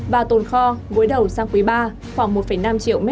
và tồn kho gối đầu sang quý iii khoảng một năm triệu m ba